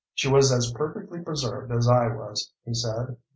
"She was as perfectly preserved as I was," he said.